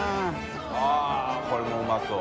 ◆舛これもうまそう。